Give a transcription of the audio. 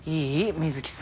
水木さん